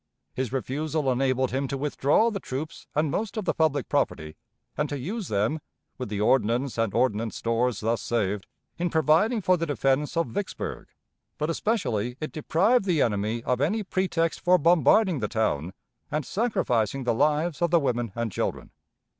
His refusal enabled him to withdraw the troops and most of the public property, and to use them, with the ordnance and ordnance stores thus saved, in providing for the defense of Vicksburg, but especially it deprived the enemy of any pretext for bombarding the town and sacrificing the lives of the women and children.